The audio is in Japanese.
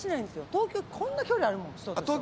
東京、こんな距離あるもん。